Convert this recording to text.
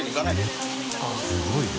すごいね。